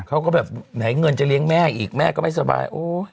เขาก็แบบไหนเงินจะเลี้ยงแม่อีกแม่ก็ไม่สบายโอ้ย